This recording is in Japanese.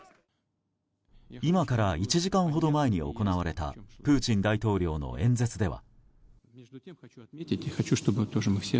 今から１時間ほど前に行われたプーチン大統領の演説では。